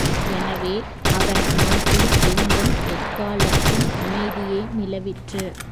எனவே, அவன் நாட்டில், எங்கும், எக்காலத்தும் அமைதியே நிலவிற்று.